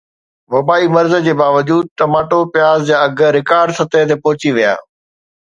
وبائي مرض جي باوجود ٽماٽو پياز جا اگهه رڪارڊ سطح تي پهچي ويا